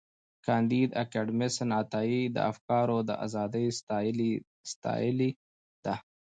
کانديد اکاډميسن عطایي د افکارو ازادي ستایلې ده.